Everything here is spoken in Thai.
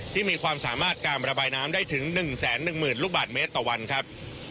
ที่มีความสามารถการระบายน้ำได้ถึง๑๑๐๐๐ลูกบาทเมตรต่อวันครับ